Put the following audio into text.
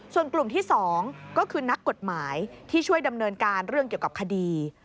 ส่วนกลุ่มที่๒ก็คือนักกฎหมายที่ช่วยดำเนินการเรื่องเกี่ยวกับคดี